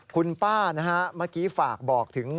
คุณป้านะฮะเมื่อกี้ฝากบอกถึง